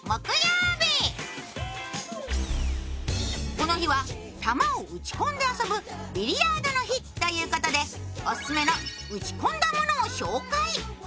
この日は、球を打ち込んで遊ぶビリヤードの日ということでオススメの打ち込んだものを紹介。